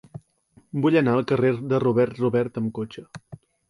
Vull anar al carrer de Robert Robert amb cotxe.